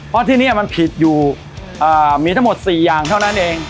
เพราะที่นี่มันผิดอยู่มีทั้งหมด๔อย่างเท่านั้นเอง